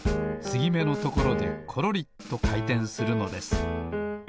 つぎめのところでコロリとかいてんするのです。